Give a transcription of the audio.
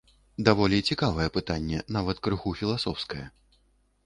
Даволі цікавае пытанне, нават крыху філасофскае.